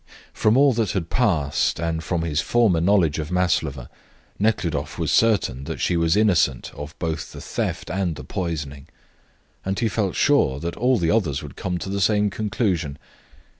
From all that had passed, and from his former knowledge of Maslova, Nekhludoff was certain that she was innocent of both the theft and the poisoning. And he felt sure that all the others would come to the same conclusion.